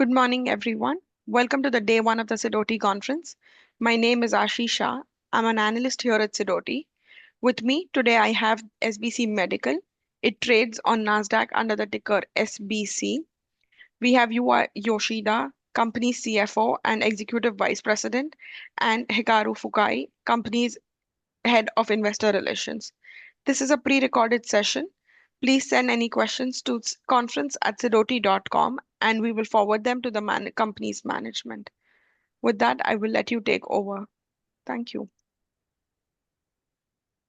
Good morning, everyone. Welcome to the Day 1 of the Sidoti Conference. My name is Aashi Shah. I'm an analyst here at Sidoti. With me today, I have SBC Medical. It trades on NASDAQ under the ticker SBC. We have Yuya Yoshida, Company CFO and Executive Vice President, and Hikaru Fukai, Company's Head of Investor Relations. This is a pre-recorded session. Please send any questions to conference@sidoti.com, and we will forward them to the company's management. With that, I will let you take over. Thank you.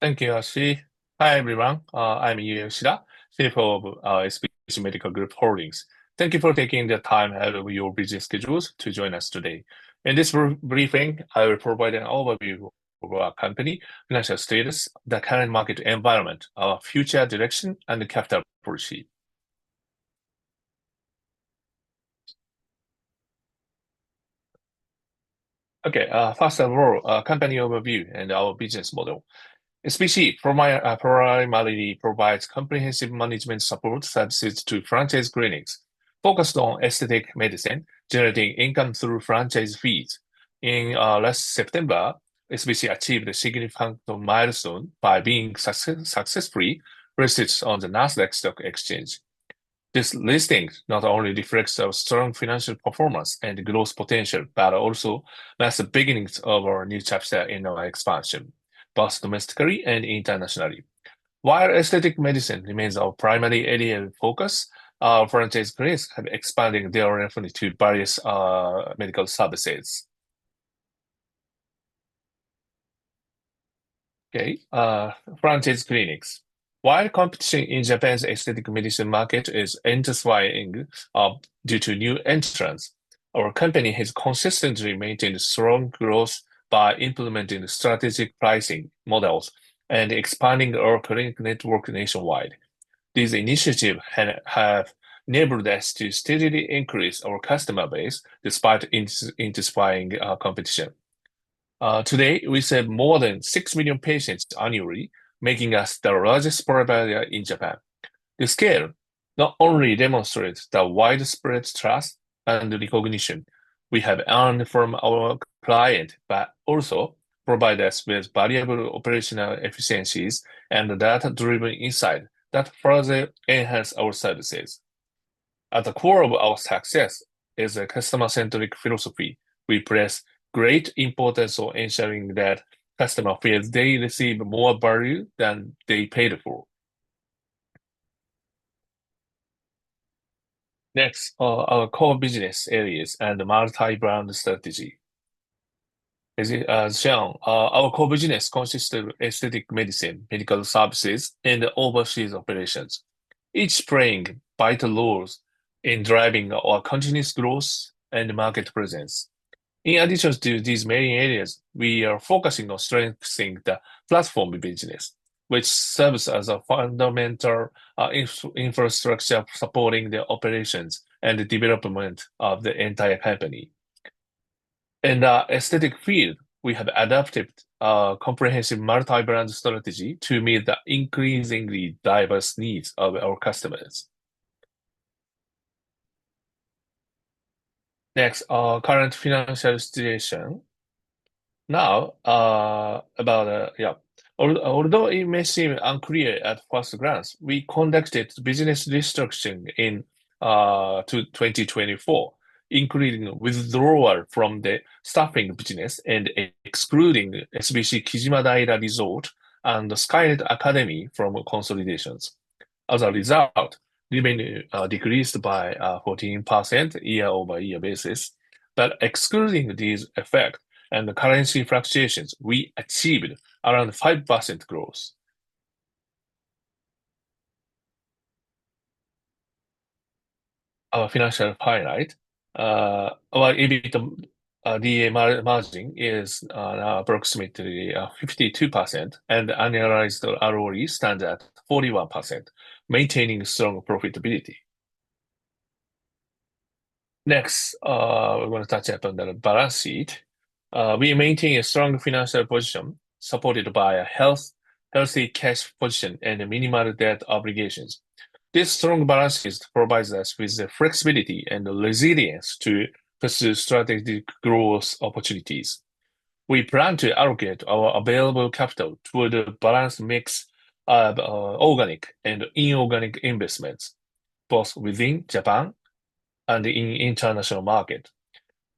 Thank you, Aashi. Hi, everyone. I'm Yuya Yoshida, CFO of SBC Medical Group Holdings. Thank you for taking the time out of your busy schedules to join us today. In this briefing, I will provide an overview of our company, financial status, the current market environment, our future direction, and the capital portfolio. Okay, first of all, a company overview and our business model. SBC primarily provides comprehensive management support services to franchise clinics focused on aesthetic medicine, generating income through franchise fees. In last September, SBC achieved a significant milestone by being successfully listed on the NASDAQ Stock Exchange. This listing not only reflects our strong financial performance and growth potential, but also marks the beginnings of our new chapter in our expansion, both domestically and internationally. While aesthetic medicine remains our primary area of focus, our franchise clinics have expanded their revenue to various medical services. Okay, franchise clinics. While competition in Japan's aesthetic medicine market is enticing due to new entrants, our company has consistently maintained strong growth by implementing strategic pricing models and expanding our clinic network nationwide. These initiatives have enabled us to steadily increase our customer base despite the intensifying competition. Today, we serve more than six million patients annually, making us the largest provider in Japan. The scale not only demonstrates the widespread trust and recognition we have earned from our clients, but also provides us with valuable operational efficiencies and data-driven insights that further enhance our services. At the core of our success is a customer-centric philosophy. We place great importance on ensuring that customers feel they receive more value than they paid for. Next, our core business areas and multi-brand strategy. As shown, our core business consists of aesthetic medicine, medical services, and overseas operations, each playing vital roles in driving our continuous growth and market presence. In addition to these main areas, we are focusing on strengthening the platform business, which serves as a fundamental infrastructure supporting the operations and development of the entire company. In the aesthetic field, we have adopted a comprehensive multi-brand strategy to meet the increasingly diverse needs of our customers. Next, our current financial situation. Now, about, yeah, although it may seem unclear at first glance, we conducted business restructuring in 2024, including withdrawal from the staffing business and excluding SBC Kijimadaira Resort and Skylight Academy from consolidations. As a result, revenue decreased by 14% year-over-year basis. Excluding these effects and the currency fluctuations, we achieved around 5% growth. Our financial highlight, our EBITDA margin is approximately 52%, and the annualized ROE stands at 41%, maintaining strong profitability. Next, we're going to touch upon the balance sheet. We maintain a strong financial position supported by a healthy cash position and minimal debt obligations. This strong balance sheet provides us with the flexibility and resilience to pursue strategic growth opportunities. We plan to allocate our available capital toward a balanced mix of organic and inorganic investments, both within Japan and in the international market.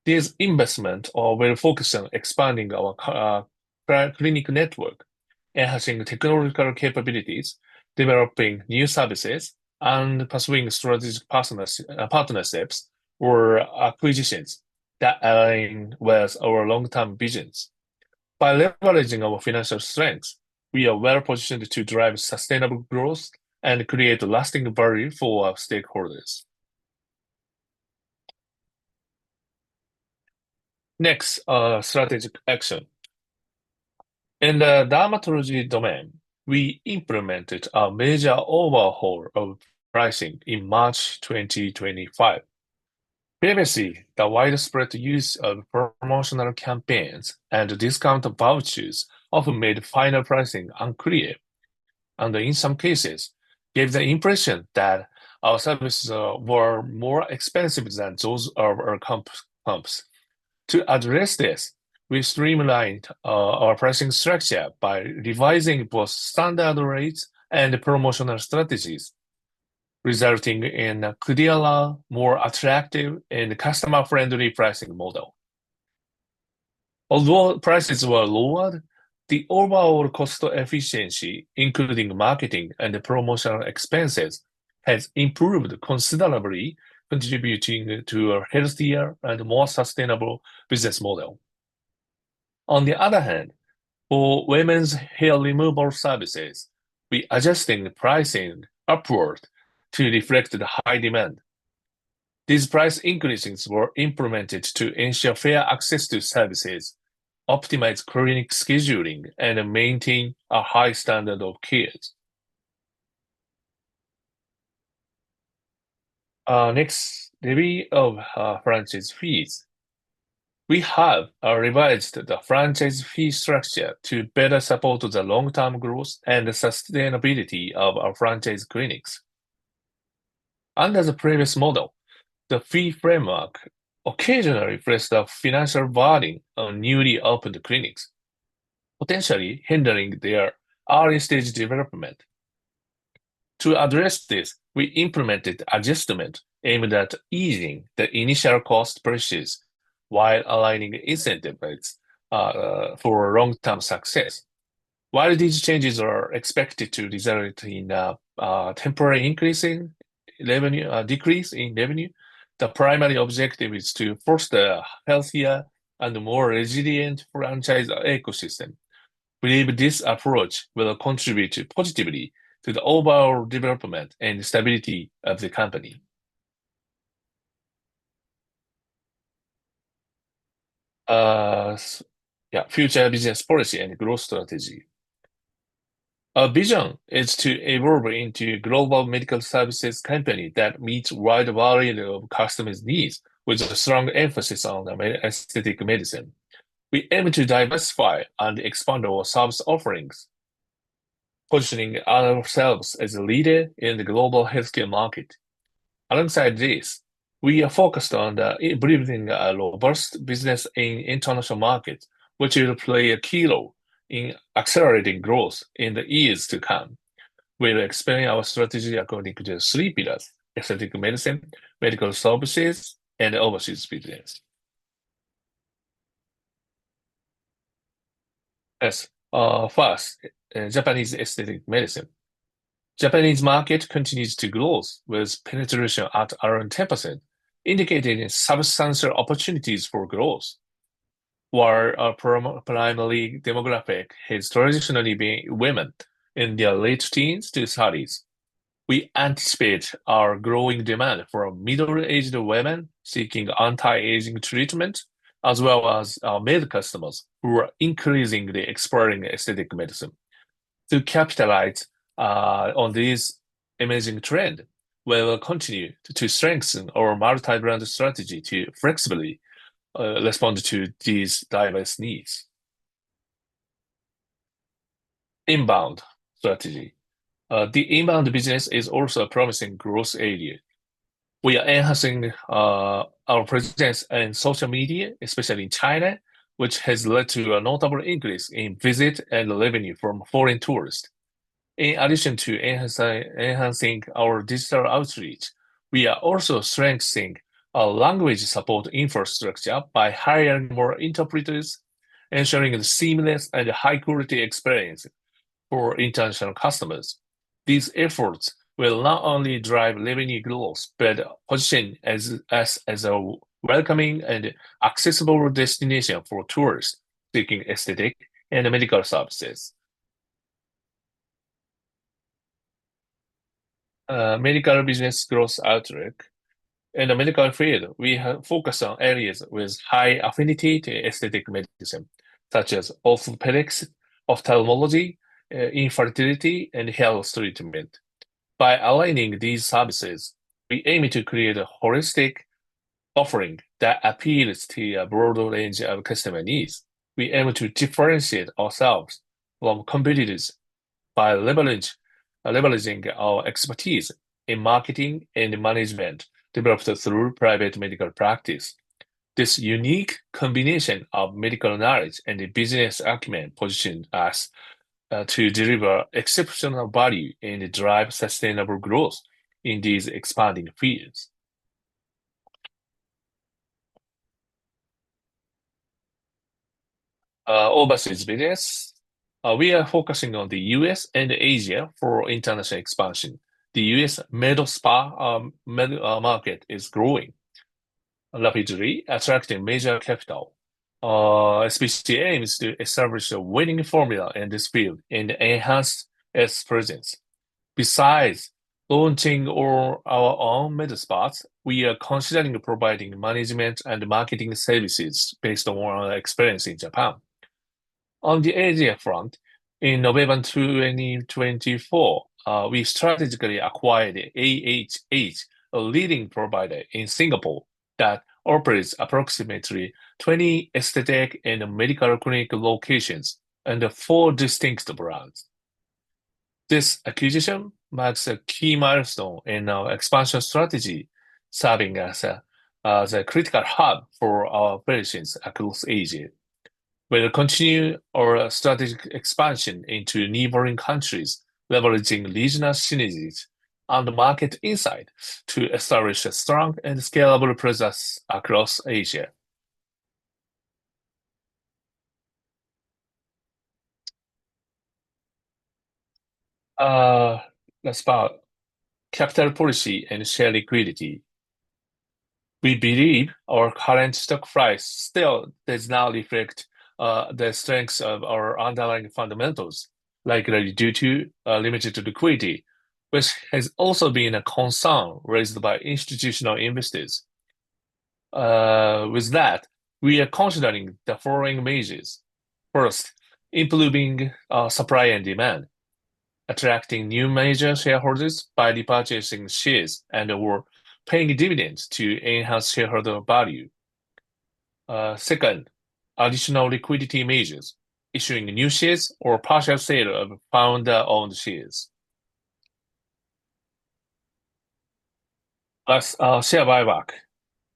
These investments are well-focused on expanding our clinic network, enhancing technological capabilities, developing new services, and pursuing strategic partnerships or acquisitions that align well with our long-term visions. By leveraging our financial strengths, we are well-positioned to drive sustainable growth and create lasting value for our stakeholders. Next, strategic action. In the dermatology domain, we implemented a major overhaul of pricing in March 2025. Previously, the widespread use of promotional campaigns and discount vouchers often made final pricing unclear, and in some cases, gave the impression that our services were more expensive than those of our comps. To address this, we streamlined our pricing structure by revising both standard rates and promotional strategies, resulting in a clearer, more attractive, and customer-friendly pricing model. Although prices were lowered, the overall cost efficiency, including marketing and promotional expenses, has improved considerably, contributing to a healthier and more sustainable business model. On the other hand, for women's hair removal services, we adjusted pricing upward to reflect the high demand. These price increases were implemented to ensure fair access to services, optimize clinic scheduling, and maintain a high standard of care. Next, levy of franchise fees. We have revised the franchise fee structure to better support the long-term growth and sustainability of our franchise clinics. Under the previous model, the fee framework occasionally placed a financial burden on newly opened clinics, potentially hindering their early-stage development. To address this, we implemented adjustments aimed at easing the initial cost pressures while aligning incentives for long-term success. While these changes are expected to result in a temporary decrease in revenue, the primary objective is to foster a healthier and more resilient franchise ecosystem. We believe this approach will contribute positively to the overall development and stability of the company. Yeah, future business policy and growth strategy. Our vision is to evolve into a global medical services company that meets a wide variety of customers' needs, with a strong emphasis on aesthetic medicine. We aim to diversify and expand our service offerings, positioning ourselves as a leader in the global healthcare market. Alongside this, we are focused on improving our robust business in international markets, which will play a key role in accelerating growth in the years to come. We will expand our strategy according to three pillars: aesthetic medicine, medical services, and overseas business. Yes, first, Japanese aesthetic medicine. The Japanese market continues to grow, with penetration at around 10%, indicating substantial opportunities for growth. While our primary demographic has traditionally been women in their late teens to 30s, we anticipate our growing demand for middle-aged women seeking anti-aging treatment, as well as our male customers who are increasingly exploring aesthetic medicine. To capitalize on this emerging trend, we will continue to strengthen our multi-brand strategy to flexibly respond to these diverse needs. Inbound strategy. The inbound business is also a promising growth area. We are enhancing our presence on social media, especially in China, which has led to a notable increase in visits and revenue from foreign tourists. In addition to enhancing our digital outreach, we are also strengthening our language support infrastructure by hiring more interpreters, ensuring a seamless and high-quality experience for international customers. These efforts will not only drive revenue growth but position us as a welcoming and accessible destination for tourists seeking aesthetic and medical services. Medical business growth outlook. In the medical field, we have focused on areas with high affinity to aesthetic medicine, such as orthopedics, ophthalmology, infertility, and health treatment. By aligning these services, we aim to create a holistic offering that appeals to a broader range of customer needs. We aim to differentiate ourselves from competitors by leveraging our expertise in marketing and management developed through private medical practice. This unique combination of medical knowledge and business acumen positions us to deliver exceptional value and drive sustainable growth in these expanding fields. Overseas business. We are focusing on the U.S. and Asia for international expansion. The U.S. med spa market is growing rapidly, attracting major capital. SBC aims to establish a winning formula in this field and enhance its presence. Besides launching our own med spas, we are considering providing management and marketing services based on our experience in Japan. On the Asia front, in November 2024, we strategically acquired AHH, a leading provider in Singapore that operates approximately 20 aesthetic and medical clinic locations and four distinct brands. This acquisition marks a key milestone in our expansion strategy, serving as a critical hub for our patients across Asia. We will continue our strategic expansion into neighboring countries, leveraging regional synergies and market insights to establish a strong and scalable presence across Asia. Let's start capital policy and share liquidity. We believe our current stock price still does not reflect the strengths of our underlying fundamentals, likely due to limited liquidity, which has also been a concern raised by institutional investors. With that, we are considering the following measures. First, improving supply and demand, attracting new major shareholders by repurchasing shares and/or paying dividends to enhance shareholder value. Second, additional liquidity measures, issuing new shares or partial sale of founder-owned shares. Plus, share buyback.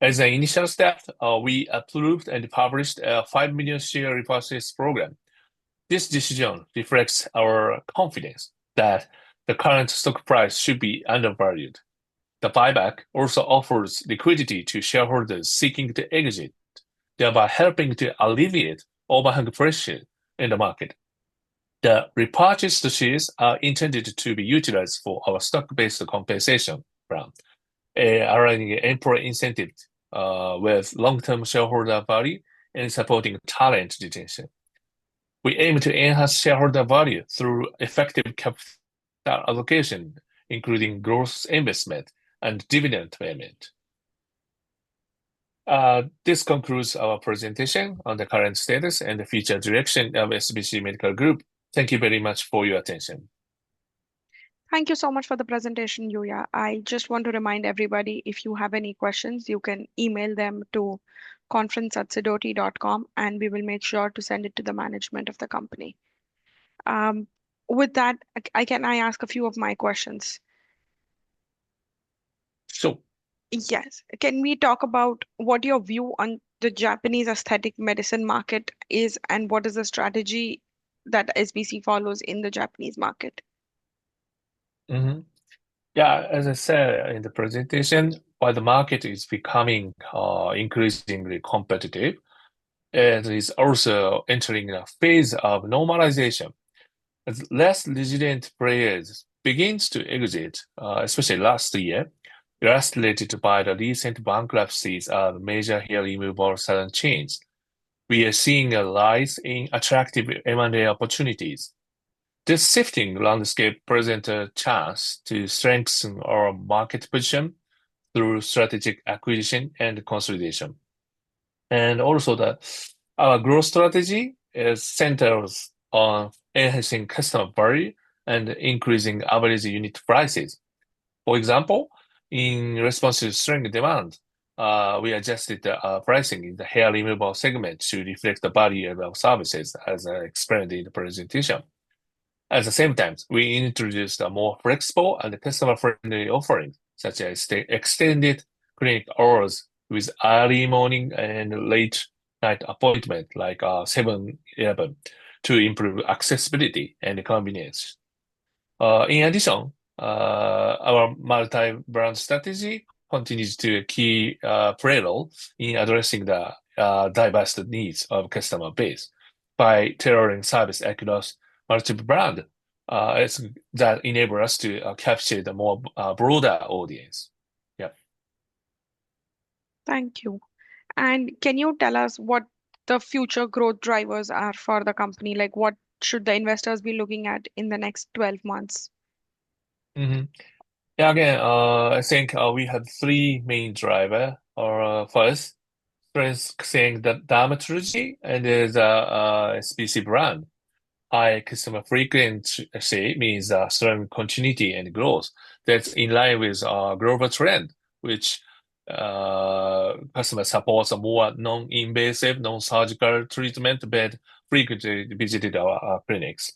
As an initial step, we approved and published a 5 million share repurchase program. This decision reflects our confidence that the current stock price should be undervalued. The buyback also offers liquidity to shareholders seeking to exit, thereby helping to alleviate overhang pressure in the market. The repurchased shares are intended to be utilized for our stock-based compensation plan, aligning employee incentives with long-term shareholder value and supporting talent retention. We aim to enhance shareholder value through effective capital allocation, including growth investment and dividend payment. This concludes our presentation on the current status and future direction of SBC Medical Group Holdings. Thank you very much for your attention. Thank you so much for the presentation, Yuya. I just want to remind everybody, if you have any questions, you can email them to conference@sidoti.com, and we will make sure to send it to the management of the company. With that, can I ask a few of my questions? Sure. Yes. Can we talk about what your view on the Japanese aesthetic medicine market is and what is the strategy that SBC follows in the Japanese market? Yeah, as I said in the presentation, while the market is becoming increasingly competitive and is also entering a phase of normalization, as less resilient players begin to exit, especially last year, exacerbated by the recent bankruptcies of major hair removal selling chains, we are seeing a rise in attractive M&A opportunities. This shifting landscape presents a chance to strengthen our market position through strategic acquisition and consolidation. Also, our growth strategy centers on enhancing customer value and increasing average unit prices. For example, in response to strong demand, we adjusted our pricing in the hair removal segment to reflect the value of our services, as I explained in the presentation. At the same time, we introduced a more flexible and customer-friendly offering, such as extended clinic hours with early morning and late-night appointments, like 7:00 A.M. - 11:00 P.M. to improve accessibility and convenience. In addition, our multi-brand strategy continues to play a key role in addressing the diverse needs of the customer base by tailoring service across multiple brands that enable us to capture the more broader audience. Yeah. Thank you. Can you tell us what the future growth drivers are for the company? Like, what should the investors be looking at in the next 12 months? Yeah, again, I think we have three main drivers. First, strengthening dermatology and the SBC brand. High customer frequency means strong continuity and growth. That is in line with our global trend, which customers support a more non-invasive, non-surgical treatment but frequently visit our clinics.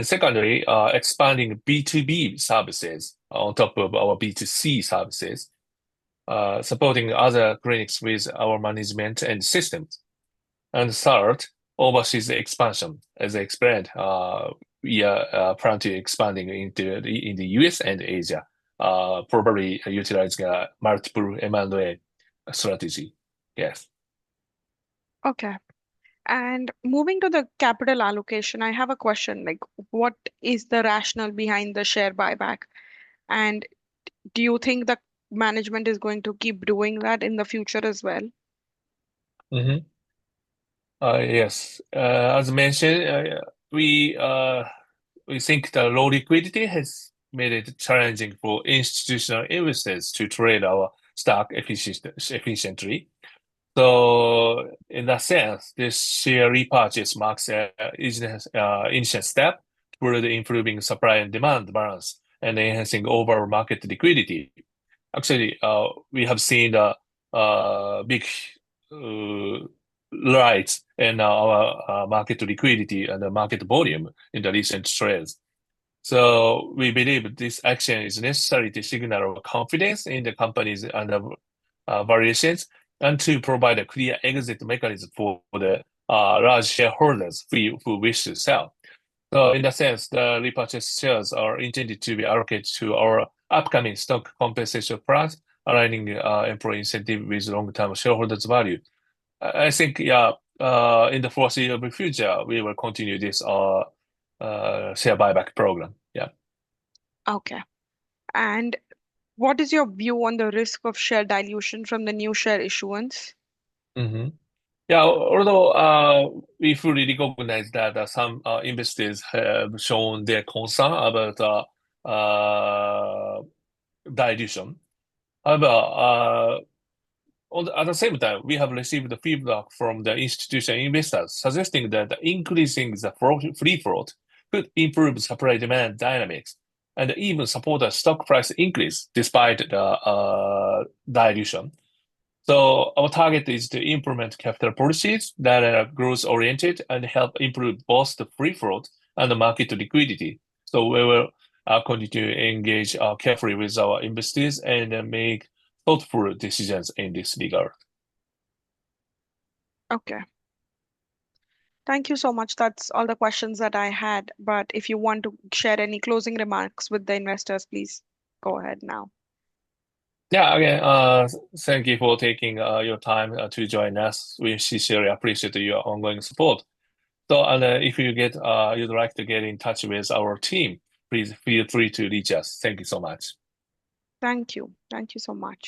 Secondly, expanding B2B services on top of our B2C services, supporting other clinics with our management and systems. Third, overseas expansion. As I explained, we are planning to expand into the U.S. and Asia, probably utilizing a multiple M&A strategy. Yes. Okay. Moving to the capital allocation, I have a question. Like, what is the rationale behind the share buyback? Do you think the management is going to keep doing that in the future as well? Yes. As mentioned, we think the low liquidity has made it challenging for institutional investors to trade our stock efficiently. In that sense, this share repurchase marks an initial step toward improving supply and demand balance and enhancing overall market liquidity. Actually, we have seen a big rise in our market liquidity and the market volume in the recent trends. We believe this action is necessary to signal our confidence in the company's undervaluations and to provide a clear exit mechanism for the large shareholders who wish to sell. In that sense, the repurchased shares are intended to be allocated to our upcoming stock compensation plans, aligning employee incentives with long-term shareholders' value. I think, yeah, in the foreseeable future, we will continue this share buyback program. Yeah. Okay. What is your view on the risk of share dilution from the new share issuance? Yeah, although we fully recognize that some investors have shown their concern about dilution. However, at the same time, we have received feedback from the institutional investors suggesting that increasing the free float could improve supply-demand dynamics and even support a stock price increase despite the dilution. Our target is to implement capital policies that are growth-oriented and help improve both the free float and the market liquidity. We will continue to engage carefully with our investors and make thoughtful decisions in this regard. Okay. Thank you so much. That's all the questions that I had. If you want to share any closing remarks with the investors, please go ahead now. Yeah, again, thank you for taking your time to join us. We sincerely appreciate your ongoing support. If you'd like to get in touch with our team, please feel free to reach us. Thank you so much. Thank you. Thank you so much.